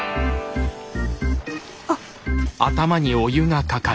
あっ。